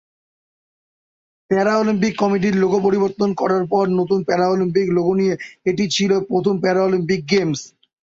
Paralympic কমিটির logo পরিবর্তন করার পর নতুন প্যারালিম্পিক লোগো নিয়ে এটি ছিল প্রথম প্যারালিম্পিক গেমস।